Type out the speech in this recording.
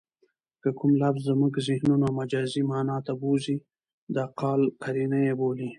که کوم لفظ زمونږ ذهنونه مجازي مانا ته بوځي؛ د قال قرینه ئې بولي.